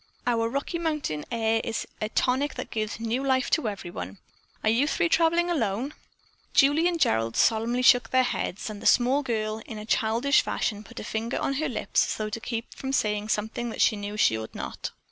Our Rocky Mountain air is a tonic that gives new life to everyone. Are you three traveling alone?" Julie and Gerald solemnly shook their heads, and the small girl, in childish fashion, put a finger on her lips as though to keep from saying something which she knew she ought not.